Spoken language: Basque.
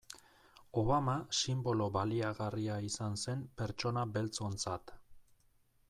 Obama sinbolo baliagarria izan zen pertsona beltzontzat.